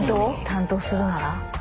担当するなら？